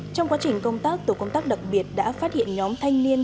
trong quá trình công tác tổ công tác đặc biệt đã phát hiện nhóm thanh niên